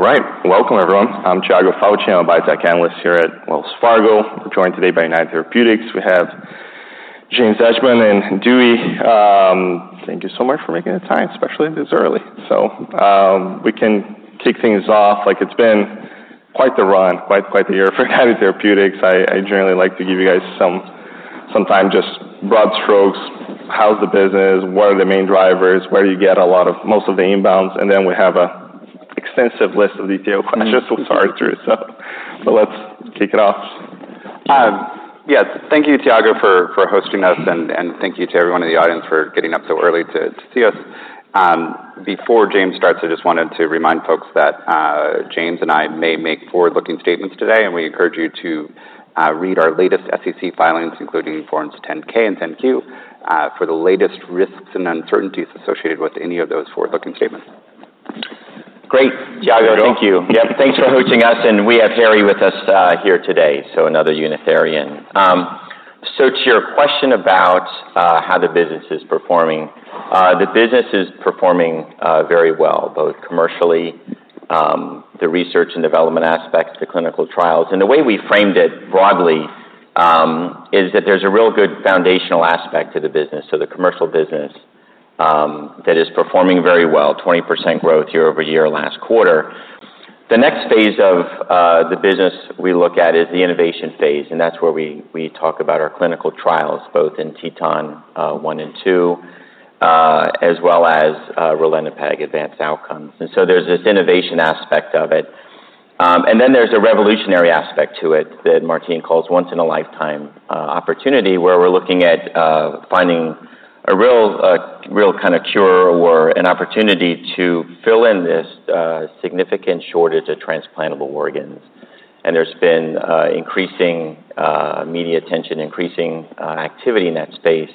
All right. Welcome, everyone. I'm Tiago Fauth, a biotech analyst here at Wells Fargo. We're joined today by United Therapeutics. We have James Edgemond and Dewey. Thank you so much for making the time, especially this early. So, we can kick things off. Like, it's been quite the run, quite, quite the year for United Therapeutics. I generally like to give you guys some time just broad strokes. How's the business? What are the main drivers? Where do you get a lot of most of the inbounds? And then we have an extensive list of detailed questions to sort through. So, let's kick it off. Yes, thank you, Tiago, for hosting us, and thank you to everyone in the audience for getting up so early to see us. Before James starts, I just wanted to remind folks that James and I may make forward-looking statements today, and we encourage you to read our latest SEC filings, including forms 10-K and 10-Q, for the latest risks and uncertainties associated with any of those forward-looking statements. Great, Tiago, thank you. Yeah, thanks for hosting us, and we have Harry with us here today, so another United. So to your question about how the business is performing, the business is performing very well, both commercially, the research and development aspects, the clinical trials. And the way we framed it broadly is that there's a real good foundational aspect to the business. So the commercial business that is performing very well, 20% growth year-over-year, last quarter. The next phase of the business we look at is the innovation phase, and that's where we talk about our clinical trials, both in TETON one and two, as well as Ralinepag ADVANCE OUTCOMES. And so there's this innovation aspect of it. And then there's a revolutionary aspect to it that Martine calls once in a lifetime opportunity, where we're looking at finding a real kinda cure or an opportunity to fill in this significant shortage of transplantable organs. There's been increasing media attention, increasing activity in that space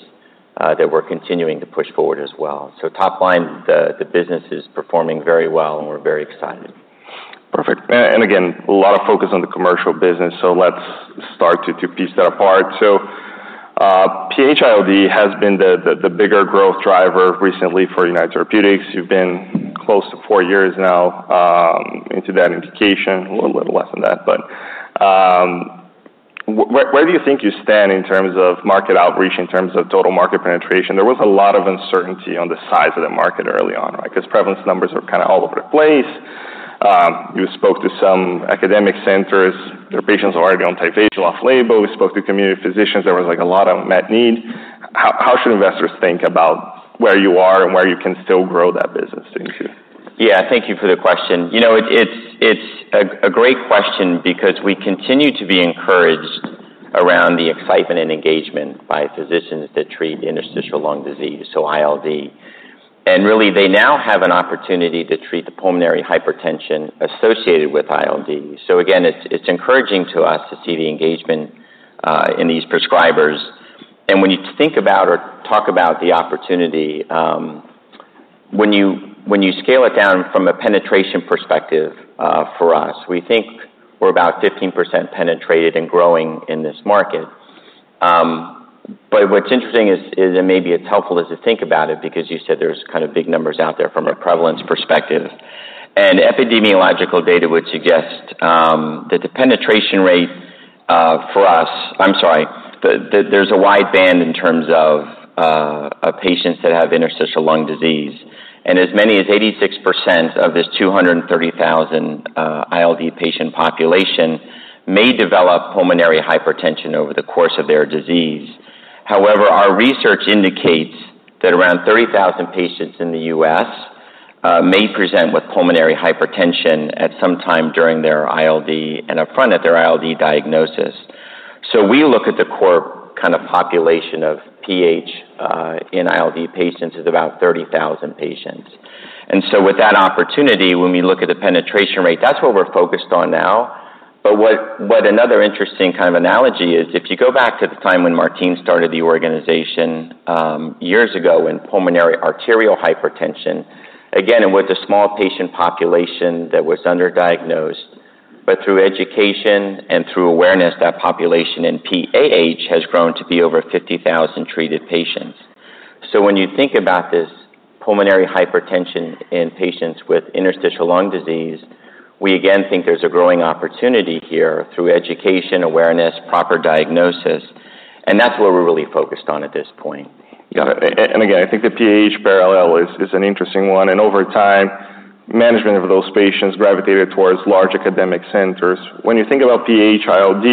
that we're continuing to push forward as well. So top line, the business is performing very well, and we're very excited. Perfect. And again, a lot of focus on the commercial business, so let's start to piece that apart. So, PH-ILD has been the bigger growth driver recently for United Therapeutics. You've been close to four years now into that indication, a little less than that. But where do you think you stand in terms of market outreach, in terms of total market penetration? There was a lot of uncertainty on the size of the market early on, right? Because prevalence numbers were kinda all over the place. You spoke to some academic centers. Their patients are already on TYVASO off label. We spoke to community physicians. There was, like, a lot of unmet need. How should investors think about where you are and where you can still grow that business, do you think? Yeah, thank you for the question. You know, it's a great question because we continue to be encouraged around the excitement and engagement by physicians that treat interstitial lung disease, so ILD. And really, they now have an opportunity to treat the pulmonary hypertension associated with ILD. So again, it's encouraging to us to see the engagement in these prescribers. And when you think about or talk about the opportunity, when you scale it down from a penetration perspective, for us, we think we're about 15% penetrated and growing in this market. But what's interesting is, and maybe it's helpful, is to think about it because you said there's kind of big numbers out there from a prevalence perspective. And epidemiological data would suggest that the penetration rate for us. There's a wide band in terms of patients that have interstitial lung disease, and as many as 86% of this 230,000 ILD patient population may develop pulmonary hypertension over the course of their disease. However, our research indicates that around 30,000 patients in the U.S. may present with pulmonary hypertension at some time during their ILD and up front at their ILD diagnosis. So we look at the core kinda population of PH in ILD patients as about 30,000 patients. And so with that opportunity, when we look at the penetration rate, that's what we're focused on now. But another interesting kind of analogy is, if you go back to the time when Martine started the organization, years ago in pulmonary arterial hypertension, again, it was a small patient population that was underdiagnosed. But through education and through awareness, that population in PAH has grown to be over 50,000 treated patients. So when you think about this pulmonary hypertension in patients with interstitial lung disease, we again think there's a growing opportunity here through education, awareness, proper diagnosis, and that's what we're really focused on at this point. Got it. And again, I think the PAH parallel is an interesting one, and over time, management of those patients gravitated towards large academic centers. When you think about PH-ILD,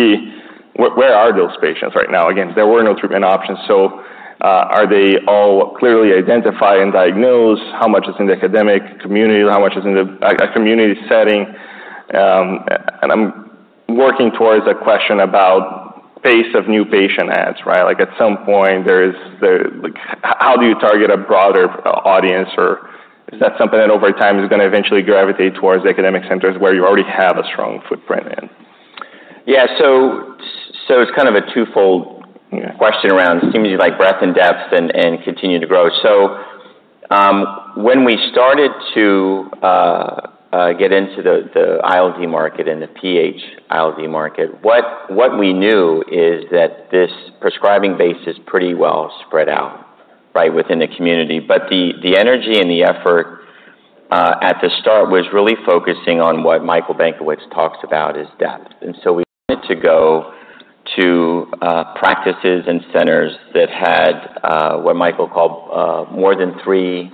where are those patients right now? Again, there were no treatment options, so are they all clearly identified and diagnosed? How much is in the academic community? How much is in a community setting? And I'm working towards a question about pace of new patient adds, right? Like, at some point, there is. There, like, how do you target a broader audience, or is that something that over time is gonna eventually gravitate towards academic centers where you already have a strong footprint in? Yeah, so it's kind of a twofold question around things like breadth and depth and continue to grow. So when we started to get into the ILD market and the PH-ILD market, what we knew is that this prescribing base is pretty well spread out. Right within the community. But the energy and the effort at the start was really focusing on what Michael Benkowitz talks about is depth. And so we wanted to go to practices and centers that had what Michael called more than three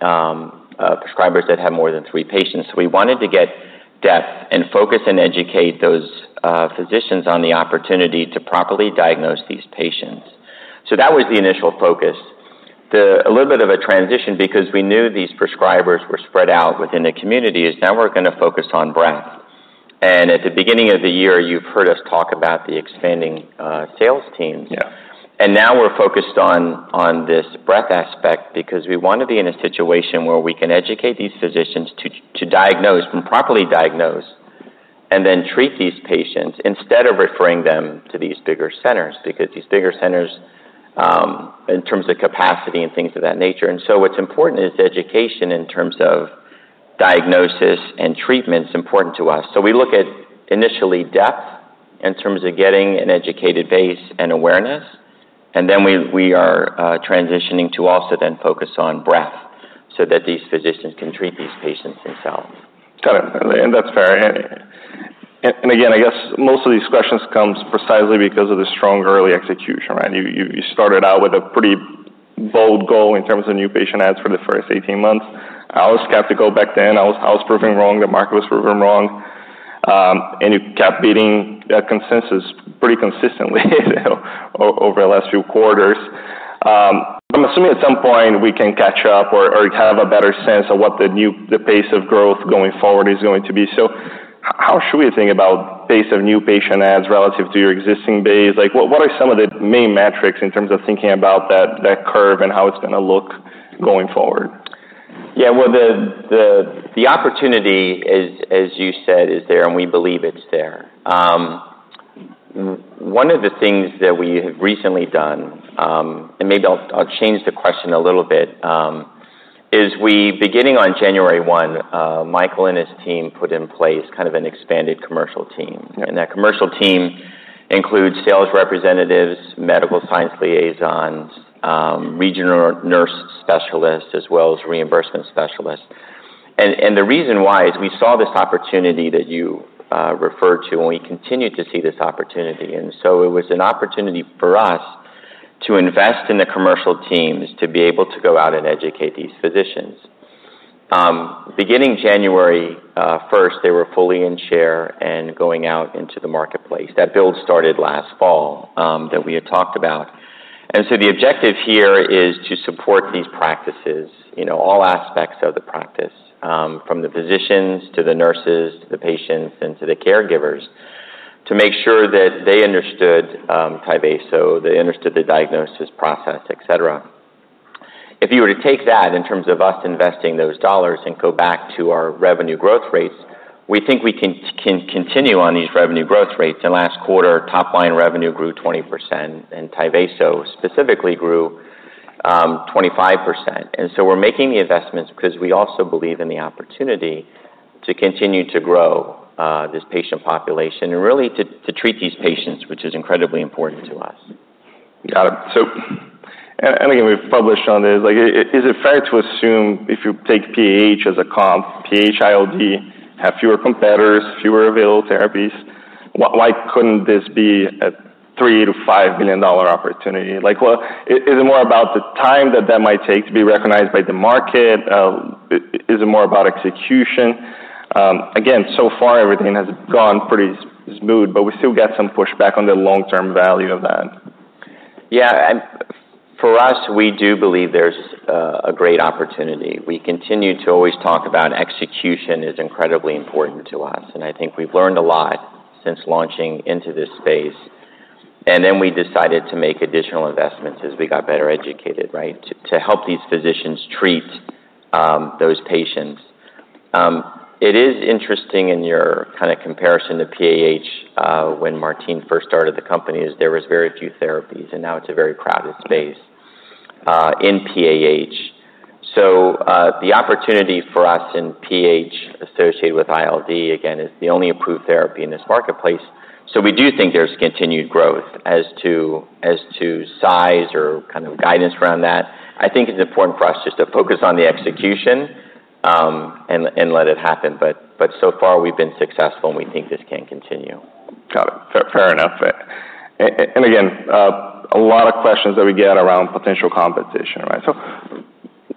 prescribers that have more than three patients. We wanted to get depth and focus and educate those physicians on the opportunity to properly diagnose these patients. So that was the initial focus. There's a little bit of a transition, because we knew these prescribers were spread out within the community, is now we're gonna focus on breadth. And at the beginning of the year, you've heard us talk about the expanding sales teams. Yeah. And now we're focused on this breadth aspect because we want to be in a situation where we can educate these physicians to diagnose, and properly diagnose, and then treat these patients instead of referring them to these bigger centers, because these bigger centers in terms of capacity and things of that nature. And so what's important is education in terms of diagnosis and treatment is important to us. So we look at initially depth, in terms of getting an educated base and awareness, and then we are transitioning to also then focus on breadth so that these physicians can treat these patients themselves. Got it. That's fair. And again, I guess most of these questions comes precisely because of the strong early execution, right? You started out with a pretty bold goal in terms of new patient adds for the first eighteen months. I was skeptical back then. I was proven wrong, the market was proven wrong. And you kept beating that consensus pretty consistently, over the last few quarters. I'm assuming at some point we can catch up or have a better sense of what the pace of growth going forward is going to be. So how should we think about pace of new patient adds relative to your existing base? Like, what are some of the main metrics in terms of thinking about that curve and how it's gonna look going forward? Yeah, well, the opportunity, as you said, is there, and we believe it's there. One of the things that we have recently done, and maybe I'll change the question a little bit, is. Beginning on January one, Michael and his team put in place kind of an expanded commercial team. Okay. And that commercial team includes sales representatives, medical science liaisons, regional nurse specialists, as well as reimbursement specialists. And the reason why is we saw this opportunity that you referred to, and we continued to see this opportunity. And so it was an opportunity for us to invest in the commercial teams, to be able to go out and educate these physicians. Beginning January first, they were fully in chair and going out into the marketplace. That build started last fall, that we had talked about. And so the objective here is to support these practices, you know, all aspects of the practice, from the physicians to the nurses, to the patients and to the caregivers, to make sure that they understood TYVASO, they understood the diagnosis process, et cetera. If you were to take that in terms of us investing those dollars and go back to our revenue growth rates, we think we can continue on these revenue growth rates. In last quarter, top-line revenue grew 20%, and TYVASO specifically grew 25%. And so we're making the investments because we also believe in the opportunity to continue to grow this patient population and really to treat these patients, which is incredibly important to us. Got it. So, and again, we've published on this. Like, is it fair to assume if you take PAH as a comp, PAH, ILD have fewer competitors, fewer available therapies, why couldn't this be a $3-$5 billion opportunity? Like, well, is it more about the time that that might take to be recognized by the market? Is it more about execution? Again, so far, everything has gone pretty smooth, but we still get some pushback on the long-term value of that. Yeah, and for us, we do believe there's a great opportunity. We continue to always talk about execution is incredibly important to us, and I think we've learned a lot since launching into this space. And then we decided to make additional investments as we got better educated, right? To help these physicians treat those patients. It is interesting in your kind of comparison to PAH, when Martine first started the company, there was very few therapies, and now it's a very crowded space in PAH. So, the opportunity for us in PAH associated with ILD, again, is the only approved therapy in this marketplace. So we do think there's continued growth. As to size or kind of guidance around that, I think it's important for us just to focus on the execution, and let it happen. But, so far, we've been successful, and we think this can continue. Got it. Fair, fair enough. And again, a lot of questions that we get around potential competition, right?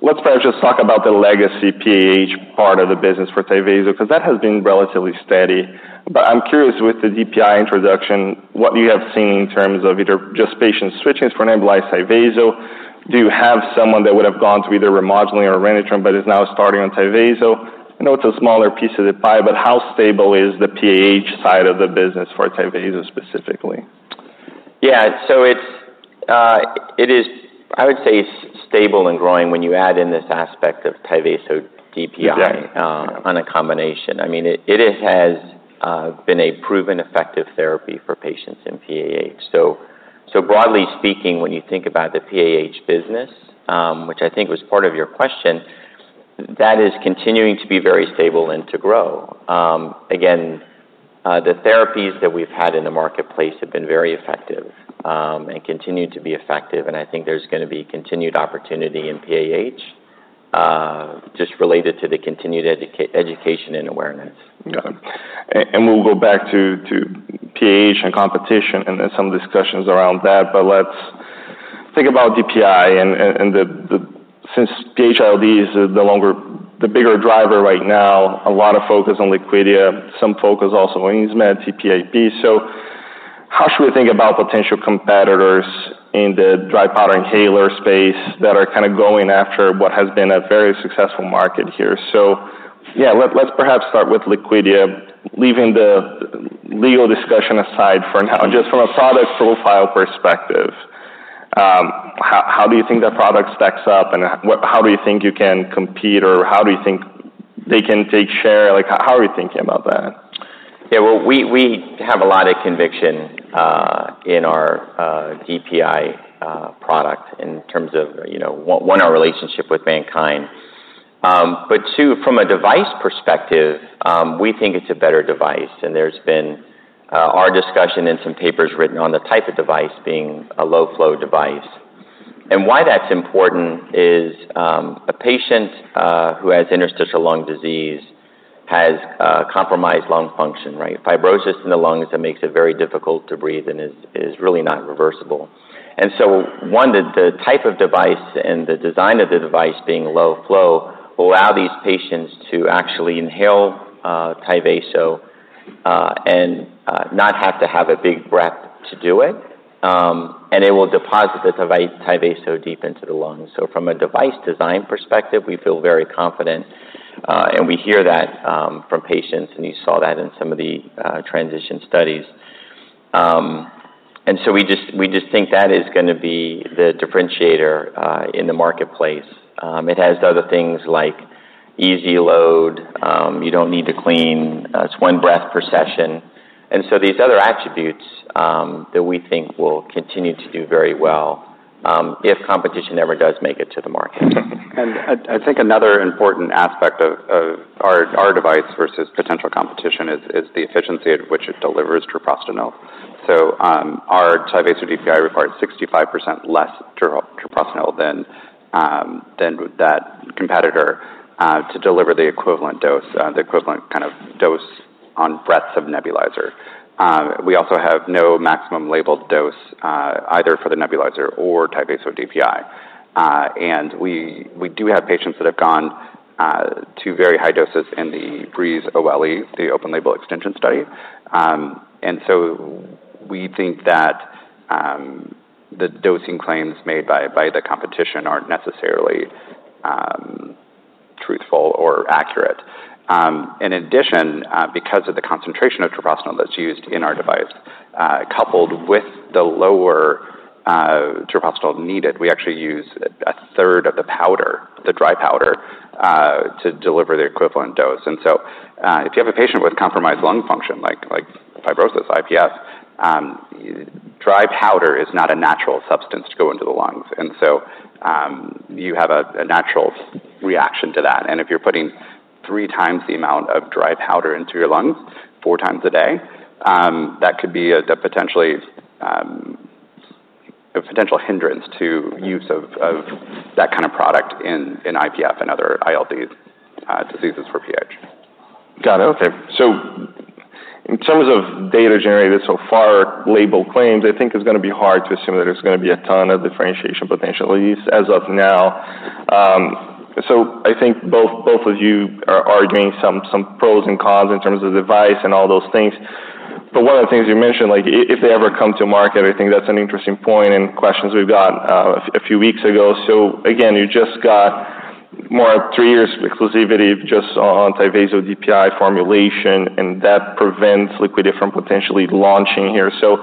Let's first just talk about the legacy PAH part of the business for TYVASO, because that has been relatively steady. I'm curious, with the DPI introduction, what you have seen in terms of either just patient switching from ADCIRCA to TYVASO? Do you have someone that would have gone to either Remodulin or Orenitram but is now starting on TYVASO? I know it's a smaller piece of the pie, but how stable is the PAH side of the business for TYVASO specifically? Yeah. So it's, it is, I would say, stable and growing when you add in this aspect of TYVASO DPI. Exactly On a combination. I mean, it has been a proven, effective therapy for patients in PAH. So broadly speaking, when you think about the PAH business, which I think was part of your question. That is continuing to be very stable and to grow. Again, the therapies that we've had in the marketplace have been very effective and continue to be effective, and I think there's gonna be continued opportunity in PAH, just related to the continued education and awareness. Got it, and we'll go back to PAH and competition, and then some discussions around that, but let's think about DPI and the since PH-ILD is the longer, the bigger driver right now, a lot of focus on Liquidia, some focus also on Insmed, TPAP. How should we think about potential competitors in the dry powder inhaler space that are kind of going after what has been a very successful market here, so yeah, let's perhaps start with Liquidia, leaving the legal discussion aside for now, just from a product profile perspective, how do you think that product stacks up, and how do you think you can compete, or how do you think they can take share? Like, how are you thinking about that? Yeah, well, we have a lot of conviction in our DPI product in terms of, you know, one, our relationship with MannKind. But two, from a device perspective, we think it's a better device, and there's been our discussion and some papers written on the type of device being a low-flow device. And why that's important is, a patient who has interstitial lung disease has compromised lung function, right? Fibrosis in the lungs, that makes it very difficult to breathe and is really not reversible. And so, one, the type of device and the design of the device being low-flow allow these patients to actually inhale TYVASO and not have to have a big breath to do it, and it will deposit the TYVASO deep into the lungs. So from a device design perspective, we feel very confident, and we hear that from patients, and you saw that in some of the transition studies. And so we just think that is gonna be the differentiator in the marketplace. It has other things like easy load, you don't need to clean, it's one breath per session. And so these other attributes that we think will continue to do very well if competition ever does make it to the market. I think another important aspect of our device versus potential competition is the efficiency at which it delivers treprostinil. Our TYVASO DPI requires 65% less treprostinil than that competitor to deliver the equivalent dose, the equivalent kind of dose on breaths of nebulizer. We also have no maximum labeled dose either for the nebulizer or TYVASO DPI. We do have patients that have gone to very high doses in the BREEZE-OLE, the open-label extension study. We think that the dosing claims made by the competition aren't necessarily truthful or accurate. In addition, because of the concentration of treprostinil that's used in our device, coupled with the lower treprostinil needed, we actually use a third of the powder, the dry powder, to deliver the equivalent dose. And so, if you have a patient with compromised lung function, like fibrosis, IPF, dry powder is not a natural substance to go into the lungs. And so, you have a natural reaction to that. And if you're putting three times the amount of dry powder into your lungs, four times a day, that could be a the potentially a potential hindrance to use of that kind of product in IPF and other ILDs diseases for PH. Got it, okay. So in terms of data generated so far, label claims, I think it's gonna be hard to assume that there's gonna be a ton of differentiation, potentially, at least as of now. So I think both of you are arguing some pros and cons in terms of device and all those things. But one of the things you mentioned, if they ever come to market, I think that's an interesting point and questions we've got a few weeks ago. So again, you just got more three years exclusivity just on TYVASO DPI formulation, and that prevents Liquidia from potentially launching here. So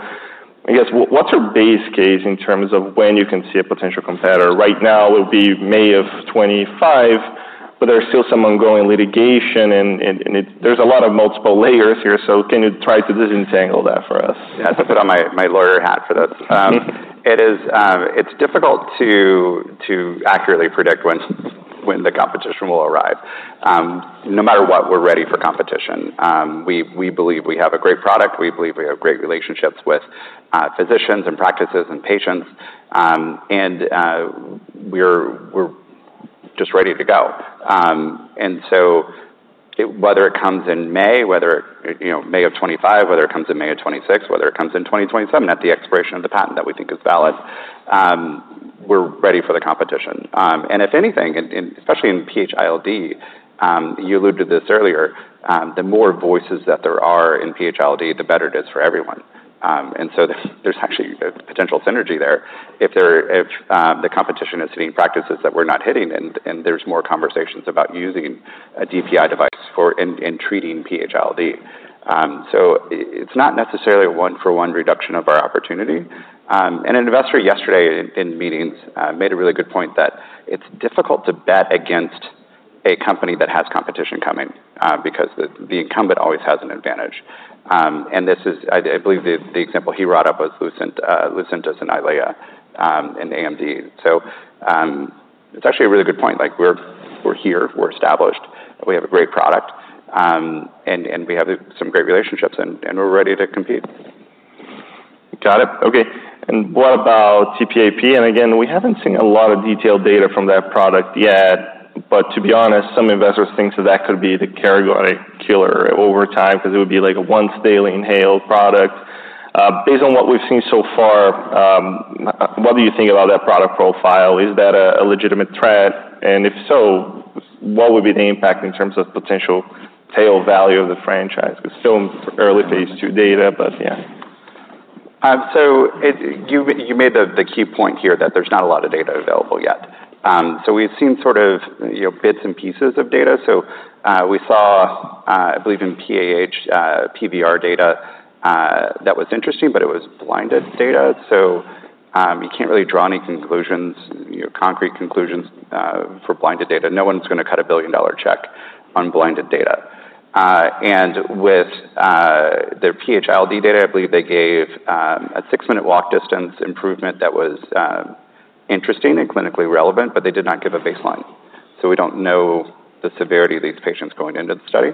I guess, what's your base case in terms of when you can see a potential competitor? Right now, it will be May of 2025, but there's still some ongoing litigation and there's a lot of multiple layers here, so can you try to disentangle that for us? Yeah, I have to put on my lawyer hat for this. It is, it's difficult to accurately predict when the competition will arrive. No matter what, we're ready for competition. We believe we have a great product, we believe we have great relationships with physicians and practices and patients. And we're just ready to go. And so whether it comes in May, whether, you know, May of 2025, whether it comes in May of 2026, whether it comes in 2027, at the expiration of the patent that we think is valid, we're ready for the competition. And if anything, in especially in PH-ILD, you alluded to this earlier, the more voices that there are in PH-ILD, the better it is for everyone. And so there's actually a potential synergy there if the competition is hitting practices that we're not hitting, and there's more conversations about using a DPI device for treating PH-ILD. So it's not necessarily a one-for-one reduction of our opportunity. And an investor yesterday in meetings made a really good point, that it's difficult to bet against a company that has competition coming, because the incumbent always has an advantage. And this is... I believe the example he brought up was Lucentis and Eylea, and AMD. So, It's actually a really good point. Like, we're here, we're established, we have a great product, and we have some great relationships, and we're ready to compete. Got it. Okay, and what about TPAP? And again, we haven't seen a lot of detailed data from that product yet, but to be honest, some investors think that that could be the category killer over time because it would be like a once-daily inhaled product. Based on what we've seen so far, what do you think about that product profile? Is that a legitimate threat? And if so, what would be the impact in terms of potential tail value of the franchise? It's still early phase two data, but yeah. You made the key point here that there's not a lot of data available yet. So we've seen sort of, you know, bits and pieces of data. So we saw, I believe in PAH, PVR data that was interesting, but it was blinded data, so you can't really draw any conclusions, you know, concrete conclusions for blinded data. No one's gonna cut a billion-dollar check on blinded data. And with their PH-ILD data, I believe they gave a six-minute walk distance improvement that was interesting and clinically relevant, but they did not give a baseline. So we don't know the severity of these patients going into the study.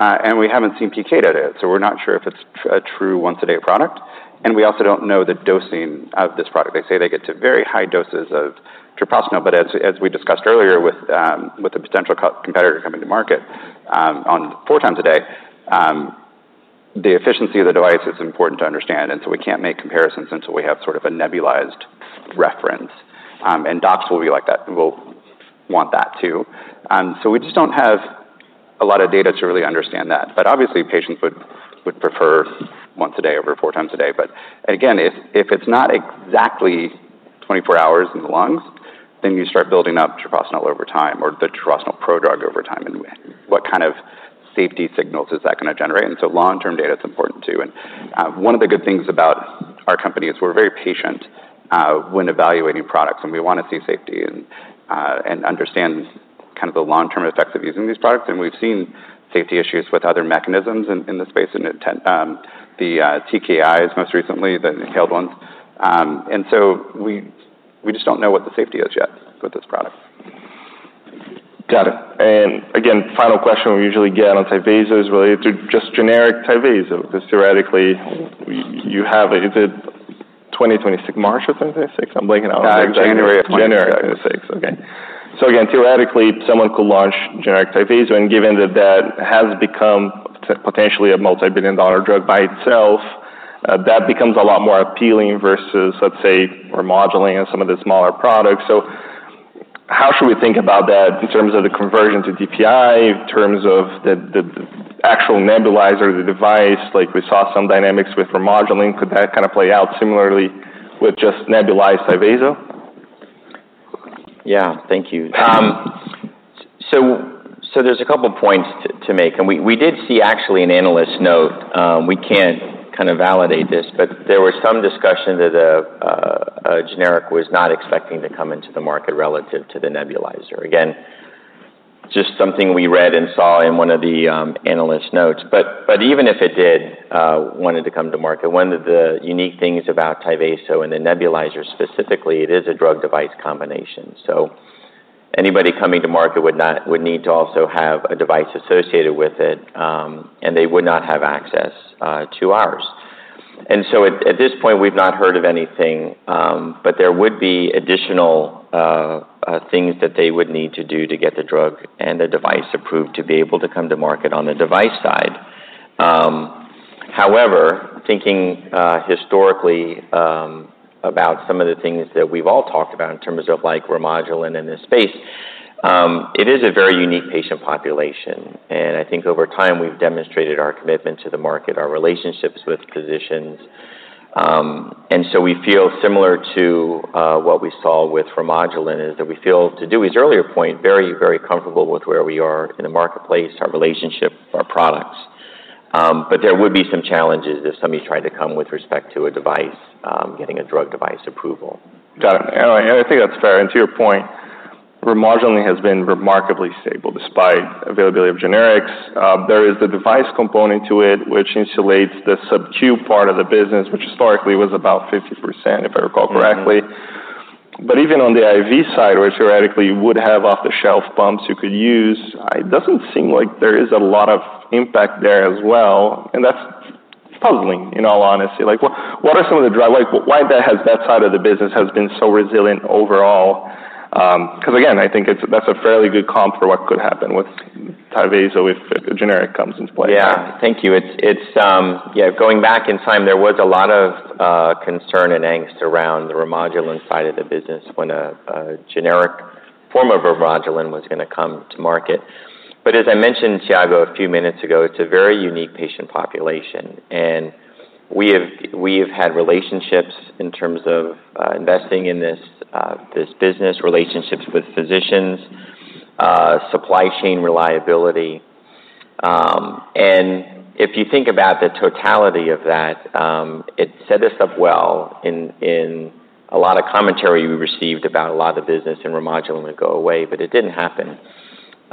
And we haven't seen PK data, so we're not sure if it's a true once-a-day product, and we also don't know the dosing of this product. They say they get to very high doses of treprostinil, but as we discussed earlier, with the potential competitor coming to market on four times a day, the efficiency of the device is important to understand, and so we can't make comparisons until we have sort of a nebulized reference. And docs will be like that. Will want that, too. So we just don't have a lot of data to really understand that, but obviously, patients would prefer once a day over four times a day. But again, if it's not exactly 24 hours in the lungs, then you start building up treprostinil over time or the treprostinil prodrug over time, and what kind of safety signals is that gonna generate? And so long-term data, it's important, too. One of the good things about our company is we're very patient when evaluating products, and we wanna see safety and understand kind of the long-term effects of using these products. And we've seen safety issues with other mechanisms in the space and in the TKIs, most recently, the inhaled ones. And so we just don't know what the safety is yet with this product. Got it. And again, final question we usually get on TYVASO is related to just generic TYVASO, because theoretically, you have Is it 2026, March of 2026? I'm blanking out. January of 2026. January of 2026. Okay. So again, theoretically, someone could launch generic TYVASO, and given that that has become potentially a multi-billion dollar drug by itself, that becomes a lot more appealing versus, let's say, Remodulin and some of the smaller products. So how should we think about that in terms of the conversion to DPI, in terms of the actual nebulizer, the device? Like, we saw some dynamics with Remodulin. Could that kind of play out similarly with just nebulized TYVASO? Yeah. Thank you. So there's a couple points to make, and we did see actually an analyst note. We can't kind of validate this, but there was some discussion that a generic was not expecting to come into the market relative to the nebulizer. Again, just something we read and saw in one of the analyst notes. But even if it did want to come to market, one of the unique things about TYVASO and the nebulizer specifically, it is a drug device combination. So anybody coming to market would need to also have a device associated with it, and they would not have access to ours. And so at this point, we've not heard of anything, but there would be additional things that they would need to do to get the drug and the device approved to be able to come to market on the device side. However, thinking historically about some of the things that we've all talked about in terms of like Remodulin in this space, it is a very unique patient population, and I think over time, we've demonstrated our commitment to the market, our relationships with physicians. And so we feel similar to what we saw with Remodulin, is that we feel, to Dewey's earlier point, very, very comfortable with where we are in the marketplace, our relationship, our products. But there would be some challenges if somebody tried to come with respect to a device, getting a drug-device approval. Got it. And I think that's fair. And to your point, Remodulin has been remarkably stable despite availability of generics. There is the device component to it, which insulates the sub-Q part of the business, which historically was about 50%, if I recall correctly. But even on the IV side, where theoretically you would have off-the-shelf pumps you could use, it doesn't seem like there is a lot of impact there as well, and that's puzzling, in all honesty. Like, why that side of the business has been so resilient overall? Because, again, I think it's that's a fairly good comp for what could happen with TYVASO if a generic comes into play. Yeah. Thank you. It's, yeah, going back in time, there was a lot of concern and angst around the Remodulin side of the business when a generic form of Remodulin was gonna come to market. But as I mentioned, Tiago, a few minutes ago, it's a very unique patient population, and we have had relationships in terms of investing in this business, relationships with physicians, supply chain reliability. And if you think about the totality of that, it set us up well in a lot of commentary we received about a lot of the business and Remodulin go away, but it didn't happen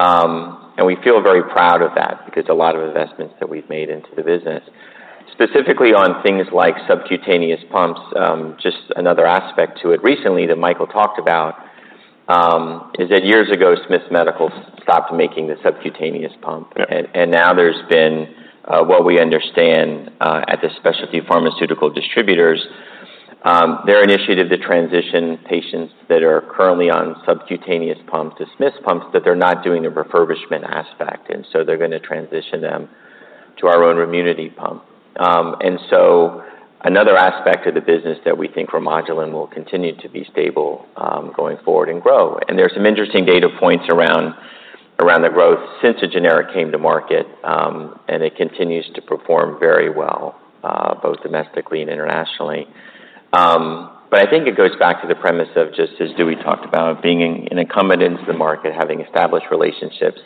and we feel very proud of that because a lot of investments that we've made into the business, specifically on things like subcutaneous pumps. Just another aspect to it recently that Michael talked about is that years ago, Smiths Medical stopped making the subcutaneous pump. Yeah. Now there's been, what we understand, at the specialty pharmaceutical distributors, their initiative to transition patients that are currently on subcutaneous pump to Smith's pumps, but they're not doing a refurbishment aspect, and so they're gonna transition them to our own Remunity pump. Another aspect of the business that we think Remodulin will continue to be stable going forward and grow. There's some interesting data points around the growth since the generic came to market, and it continues to perform very well both domestically and internationally. I think it goes back to the premise of just as Dewey talked about, being an incumbent into the market, having established relationships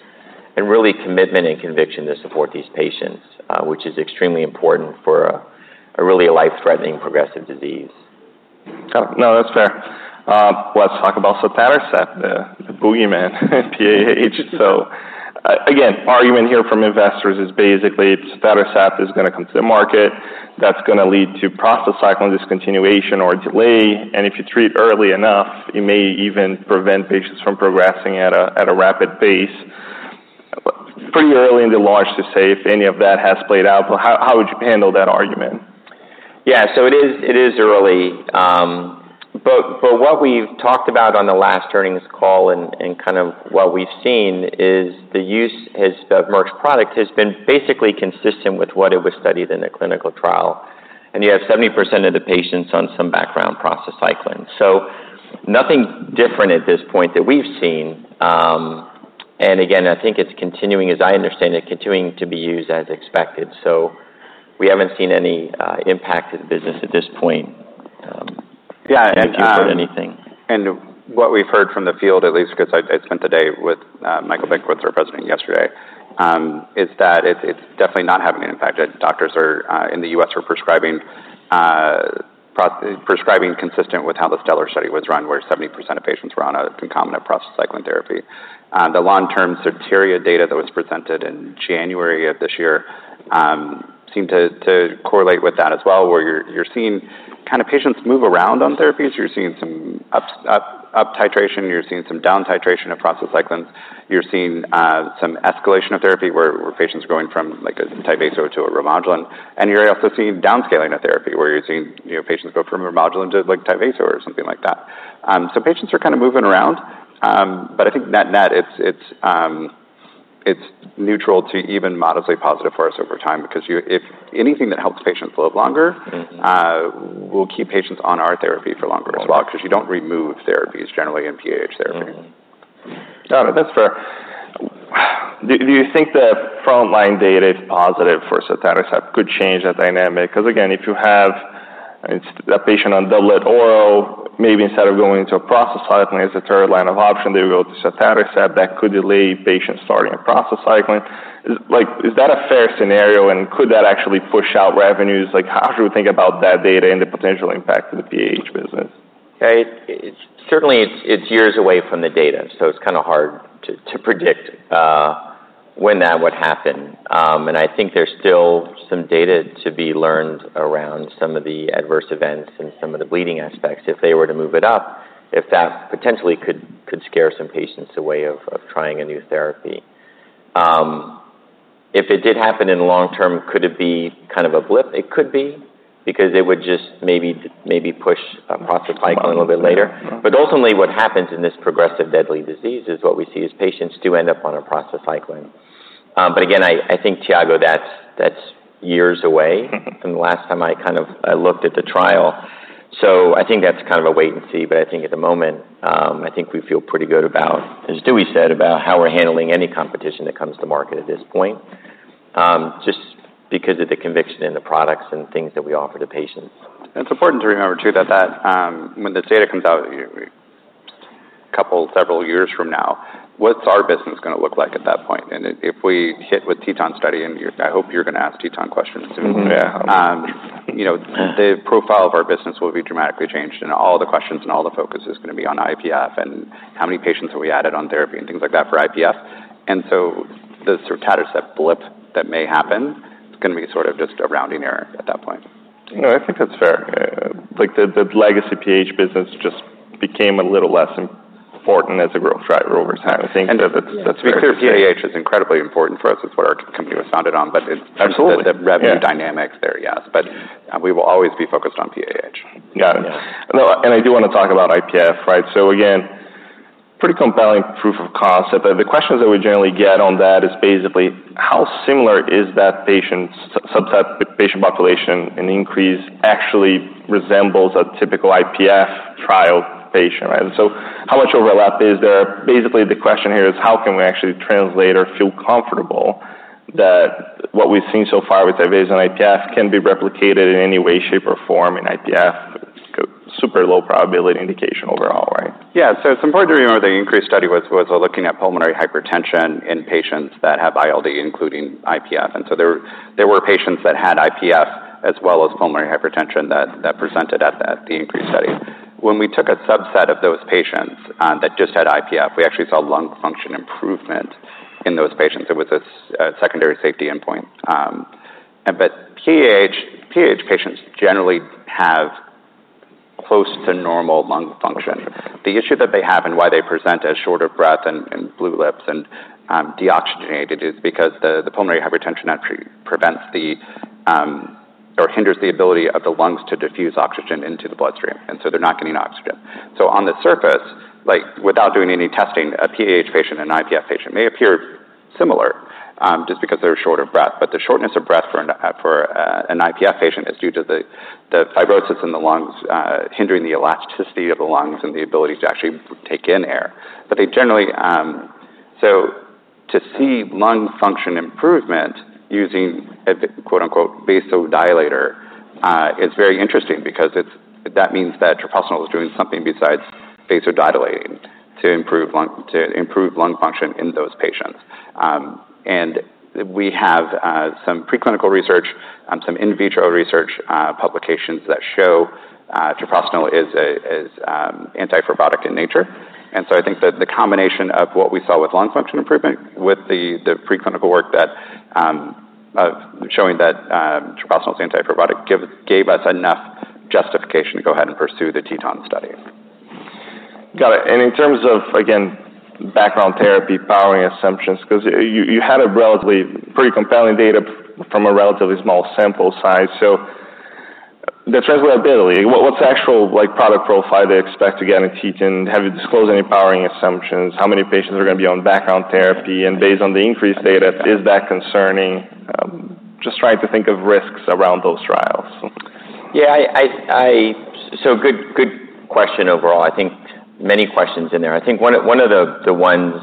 and really commitment and conviction to support these patients, which is extremely important for a really life-threatening progressive disease. Oh, no, that's fair. Let's talk about Sotatercept, the boogeyman, PAH. Again, argument here from investors is basically Sotatercept is gonna come to the market. That's gonna lead to prostacyclin discontinuation or delay, and if you treat early enough, it may even prevent patients from progressing at a rapid pace. Pretty early in the launch to say if any of that has played out. How would you handle that argument? Yeah. So it is early. But what we've talked about on the last earnings call and kind of what we've seen is the use of inhaled product has been basically consistent with what it was studied in the clinical trial. And you have 70% of the patients on some background prostacyclin. So nothing different at this point that we've seen. And again, I think it's continuing, as I understand it, to be used as expected. So we haven't seen any impact to the business at this point. Yeah if you've heard anything. And what we've heard from the field, at least, 'cause I spent the day with Michael Benkowitz, our president, yesterday, is that it's definitely not having an impact, that doctors are in the U.S. are prescribing consistent with how the STELLAR study was run, where 70% of patients were on a concomitant prostacyclin therapy. The long-term criteria data that was presented in January of this year seemed to correlate with that as well, where you're seeing kind of patients move around on therapies. You're seeing some up titration, you're seeing some down titration of prostacyclin. You're seeing some escalation of therapy, where patients are going from, like, a TYVASO to a Remodulin. You're also seeing downscaling of therapy, where you're seeing, you know, patients go from Remodulin to, like, TYVASO or something like that. Patients are kind of moving around. I think net-net, it's neutral to even modestly positive for us over time, because you—if anything that helps patients live longer-will keep patients on our therapy for longer as well, because you don't remove therapies generally in PAH therapy. No, that's fair. Do you think the frontline data is positive for Sotatercept could change that dynamic? Because, again, if you have a patient on double oral, maybe instead of going to a prostacyclin as a third line of option, they go to Sotatercept, that could delay patients starting a prostacyclin. Like, is that a fair scenario, and could that actually push out revenues? Like, how should we think about that data and the potential impact to the PAH business? Okay. It's certainly years away from the data, so it's kind of hard to predict when that would happen. And I think there's still some data to be learned around some of the adverse events and some of the bleeding aspects. If they were to move it up, that potentially could scare some patients away from trying a new therapy. If it did happen in the long term, could it be kind of a blip? It could be, because it would just maybe push a prostacyclin a little bit later. But ultimately, what happens in this progressive deadly disease is what we see is patients do end up on a prostacyclin. But again, I think, Tiago, that's years away from the last time I looked at the trial. So I think that's kind of a wait and see. But I think at the moment, I think we feel pretty good about, as Dewey said, about how we're handling any competition that comes to market at this point, just because of the conviction in the products and things that we offer to patients. It's important to remember, too, that when this data comes out a couple, several years from now, what's our business gonna look like at that point? And if we hit with TETON study, and I hope you're gonna ask TETON questions soon. Yeah. You know, the profile of our business will be dramatically changed, and all the questions and all the focus is gonna be on IPF and how many patients have we added on therapy and things like that for IPF, and so the Sotatercept blip that may happen, it's gonna be sort of just a rounding error at that point. No, I think that's fair. Like, the legacy PAH business just became a little less important as a growth driver over time. I think that. To be clear, PAH is incredibly important for us. It's what our company was founded on. But it's. Absolutely The revenue dynamics there, yes. But, we will always be focused on PAH. Got it. Yeah. I do wanna talk about IPF, right? So again, pretty compelling proof of concept, but the questions that we generally get on that is basically, how similar is that patient subset, patient population, and INCREASE actually resembles a typical IPF trial patient, right? So how much overlap is there? Basically, the question here is: How can we actually translate or feel comfortable that what we've seen so far with TYVASO and IPF can be replicated in any way, shape, or form in IPF? Super low probability indication overall, right? Yeah. So it's important to remember the INCREASE study was looking at pulmonary hypertension in patients that have ILD, including IPF. And so there were patients that had IPF as well as pulmonary hypertension that presented at the INCREASE study. When we took a subset of those patients that just had IPF, we actually saw lung function improvement in those patients. It was a secondary safety endpoint. But PAH patients generally have close to normal lung function. The issue that they have and why they present as short of breath and blue lips and deoxygenated is because the pulmonary hypertension actually prevents or hinders the ability of the lungs to diffuse oxygen into the bloodstream, and so they're not getting oxygen. So on the surface, like, without doing any testing, a PAH patient and an IPF patient may appear similar, just because they're short of breath. But the shortness of breath for an IPF patient is due to the fibrosis in the lungs hindering the elasticity of the lungs and the ability to actually take in air, so to see lung function improvement using a quote, unquote, "vasodilator," is very interesting because it's, that means that treprostinil is doing something besides vasodilating to improve lung function in those patients. And we have some preclinical research, some in vitro research, publications that show treprostinil is anti-fibrotic in nature. I think that the combination of what we saw with lung function improvement, with the preclinical work that showing that treprostinil is anti-fibrotic, gave us enough justification to go ahead and pursue the TETON study. Got it. And in terms of, again, background therapy, powering assumptions, because you had a relatively pretty compelling data from a relatively small sample size. So the transferability, what's the actual, like, product profile they expect to get in TETON? Have you disclosed any powering assumptions? How many patients are gonna be on background therapy? And based on the INCREASE data, is that concerning? Just trying to think of risks around those trials. Yeah. Good question overall. I think many questions in there. I think one of the ones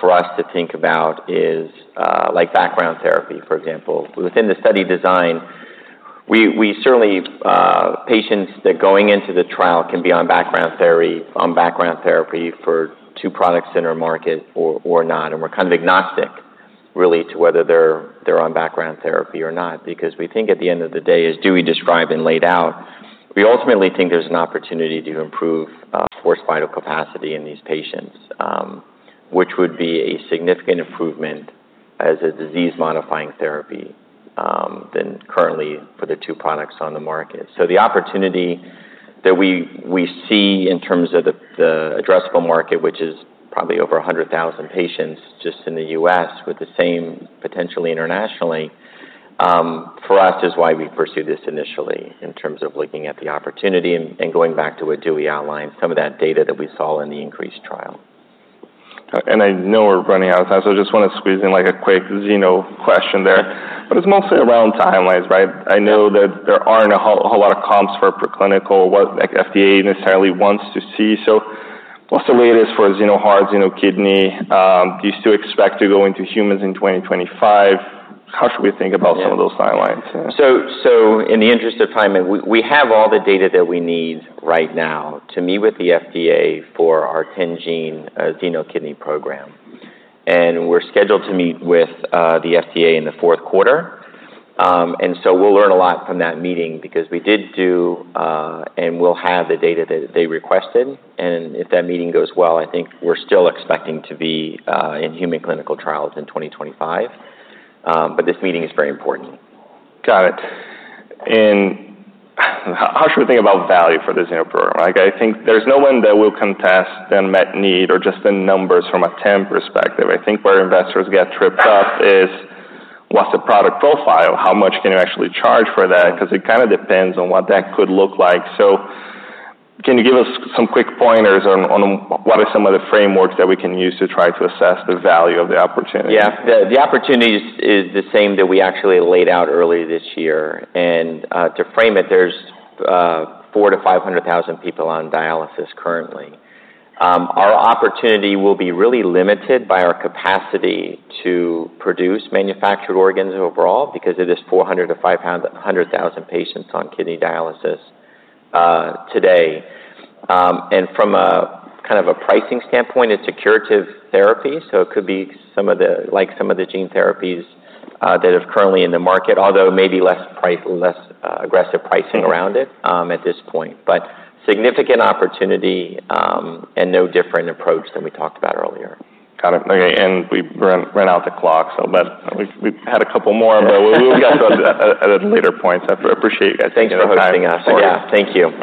for us to think about is, like, background therapy, for example. Within the study design, we certainly patients that going into the trial can be on background therapy for two products in our market or not, and we're kind of agnostic really to whether they're on background therapy or not. Because we think at the end of the day, as Dewey described and laid out, we ultimately think there's an opportunity to improve forced vital capacity in these patients, which would be a significant improvement as a disease-modifying therapy than currently for the two products on the market. So the opportunity that we see in terms of the addressable market, which is probably over a 100,000 patients just in the U.S., with the same potentially internationally, for us, is why we pursued this initially in terms of looking at the opportunity and going back to what Dewey outlined, some of that data that we saw in the INCREASE trial. I know we're running out of time, so I just want to squeeze in, like, a quick xeno question there, but it's mostly around timelines, right? I know that there aren't a whole, whole lot of comps for preclinical, what, like, FDA necessarily wants to see. So what's the latest for xeno heart, xeno kidney? Do you still expect to go into humans in 2025? How should we think about some of those timelines? In the interest of time, and we have all the data that we need right now to meet with the FDA for our 10-gene xeno kidney program. And we're scheduled to meet with the FDA in the Q4. And so we'll learn a lot from that meeting because we did do and we'll have the data that they requested, and if that meeting goes well, I think we're still expecting to be in human clinical trials in 2025. But this meeting is very important. Got it. And how should we think about value for the Xeno program? Like, I think there's no one that will contest the unmet need or just the numbers from a TAM perspective. I think where investors get tripped up is, what's the product profile? How much can you actually charge for that? Because it kind of depends on what that could look like. So can you give us some quick pointers on what are some of the frameworks that we can use to try to assess the value of the opportunity? Yeah. The opportunity is the same that we actually laid out earlier this year. And, to frame it, there's 400,000 to 500,000 people on dialysis currently. Our opportunity will be really limited by our capacity to produce manufactured organs overall, because it is 400,000 to 500,000 patients on kidney dialysis, today. And from a kind of a pricing standpoint, it's a curative therapy, so it could be some of the- like some of the gene therapies, that are currently in the market, although maybe less price- less aggressive pricing around it, at this point. But significant opportunity, and no different approach than we talked about earlier. Got it. Okay, and we've run out the clock, so but we've had a couple more, but we'll get to them at a later point. So I appreciate you guys. Thanks for hosting us. Yeah. Thank you.